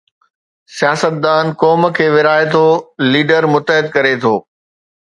سياستدان قوم کي ورهائي ٿو، ليڊر متحد ڪري ٿو.